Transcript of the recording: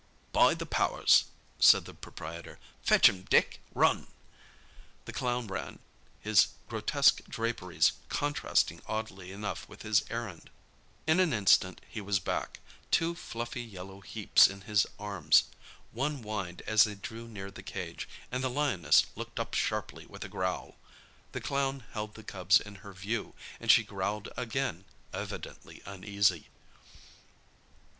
"By the powers!" said the proprietor. "Fetch 'em, Dick—run." The clown ran, his grotesque draperies contrasting oddly enough with his errand. In an instant he was back, two fluffy yellow heaps in his arms. One whined as they drew near the cage, and the lioness looked up sharply with a growl. The clown held the cubs in her view, and she growled again, evidently uneasy.